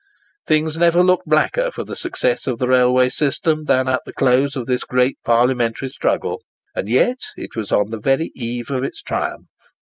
Things never looked blacker for the success of the railway system than at the close of this great parliamentary struggle. And yet it was on the very eve of its triumph.